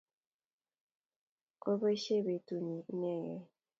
Kopoishe petu nyi inegei